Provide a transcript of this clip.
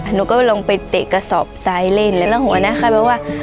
หนูก็ลงไปเตะกระสอบซ้ายเล่นแล้วหัวหน้าค่ายบอกว่า